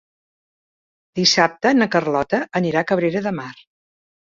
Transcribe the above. Dissabte na Carlota anirà a Cabrera de Mar.